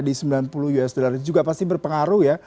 di sembilan puluh usd ini juga pasti berpengaruh